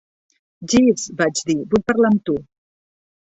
"Jeeves," vaig dir, "vull parlar amb tu."